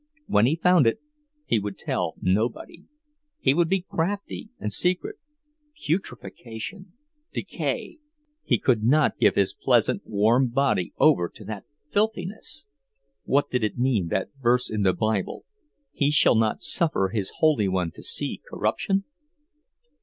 When he found it, he would tell nobody; he would be crafty and secret. Putrefaction, decay.... He could not give his pleasant, warm body over to that filthiness! What did it mean, that verse in the Bible, "He shall not suffer His holy one to see corruption"?